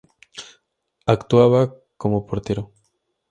Actuaba como portero.